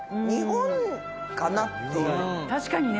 確かにね